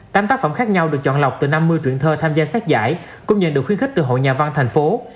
tám tác phẩm khác nhau được chọn lọc từ năm mươi chuyện thơ tham gia sách giải cũng nhận được khuyến khích từ hội nhà văn thành phố